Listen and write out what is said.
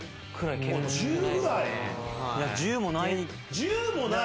１０もない。